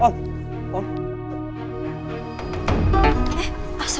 makasih banyak ya pak ya